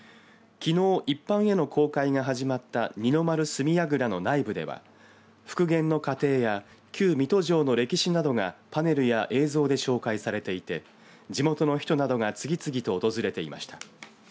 きのう、一般への公開が始まった二の丸角櫓の内部では復元の過程や旧水戸城の歴史などがパネルや映像で紹介されていて地元の人などが次々と訪れていました。